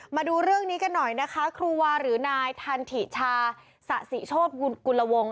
มาดูเรื่องนี้กันหน่อยนะคะครูวาหรือนายทันถิชาสะสิโชธกุลวง